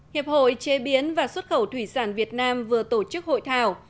hiệp hội chế biến và xuất khẩu thủy sản việt nam vừa tổ chức hội thảo